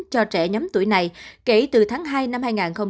cho trẻ nhóm tuổi này kể từ tháng hai năm hai nghìn hai mươi